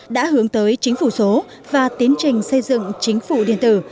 đã hướng tới chính phủ số và tiến trình xây dựng chính phủ điện tử